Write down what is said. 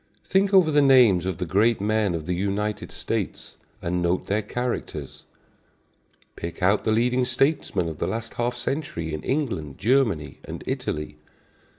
Think over the names of the great men of the United States, and note their characters. Pick out the leading statesmen of the last half century in England, Germany and Italy.